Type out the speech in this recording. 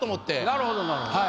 なるほどなるほど。